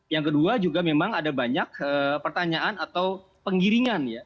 yang kedua juga memang ada banyak pertanyaan atau penggiringan ya